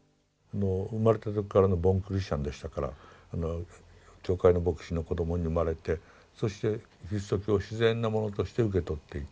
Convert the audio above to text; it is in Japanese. もう生まれた時からのボーンクリスチャンでしたから教会の牧師の子どもに生まれてそしてキリスト教を自然なものとして受け取っていた。